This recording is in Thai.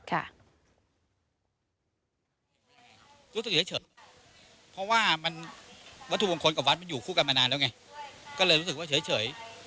รู้สึกเฉยเพราะว่ามันวัตถุมงคลกับวัดมันอยู่คู่กันมานานแล้วไงก็เลยรู้สึกว่าเฉย